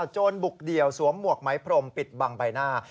โจรบุกเดี่ยวสวมหมวกไหมพรมปิดบังใบหน้า